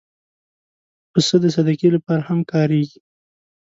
پسه د صدقې لپاره هم کارېږي.